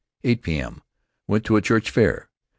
8 P.M.: Went to a church fair.